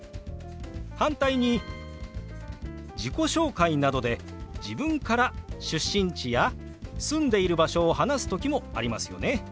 反対に自己紹介などで自分から出身地や住んでいる場所を話す時もありますよね。